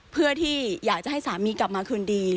เพื่อที่อยากจะให้สามีกลับมาคืนดี